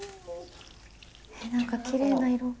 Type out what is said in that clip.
何かきれいな色。